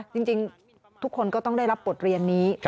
จริงทุกคนก็ต้องได้รับบทเรียนนี้